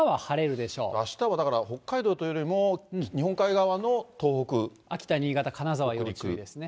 あしたはだから北海道という秋田、新潟、金沢、要注意ですね。